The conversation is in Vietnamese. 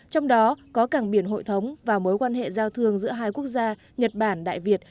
trong đó có cảng biển hội thống và mối quan hệ giao thương giữa hai quốc gia nhật bản đại việt